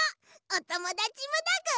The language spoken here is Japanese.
おともだちもだぐ！